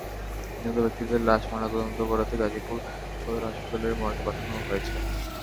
নিহত ব্যক্তিদের লাশ ময়নাতদন্ত করাতে গাজীপুর সদর হাসপাতালের মর্গে পাঠানো হয়েছে।